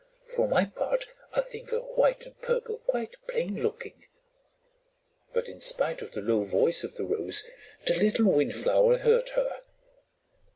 For my part, I think her white and purple quite plain looking." But in spite of the low voice of the Rose the little Windflower heard her.